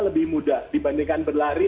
lebih mudah dibandingkan berlari